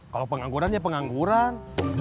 kalau penganggurannya pengangguran